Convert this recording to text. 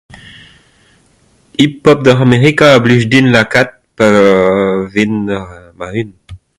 Hip-Hop Amerika a blij din lakaat euu pa vezañ ma unan